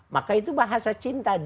maka itu bahasa cinta